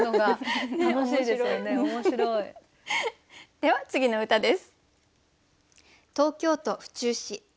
では次の歌です。